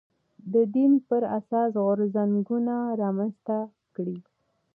د دین پر اساس غورځنګونه رامنځته کړي